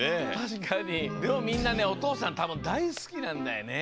でもみんなねおとうさんたぶんだいすきなんだよね。